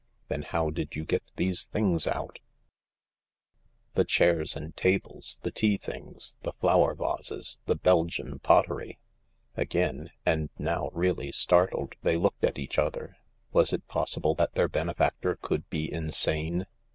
" Then how did you get these things out ?" it p it "The chairs and tables— the tea things— the flower* vases — the Belgian pottery ?" Again, and now really startled, they looked at each other. Was it possible that their benefactor could be insane